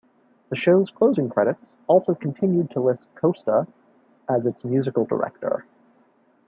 The show's closing credits also continued to list Costa as its Musical Director.